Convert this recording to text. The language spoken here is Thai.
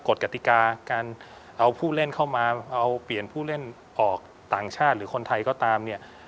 กติกาการเอาผู้เล่นเข้ามาเอาเปลี่ยนผู้เล่นออกต่างชาติหรือคนไทยก็ตามเนี่ย